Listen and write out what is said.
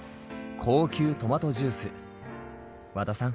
高級トマトジュース和田さん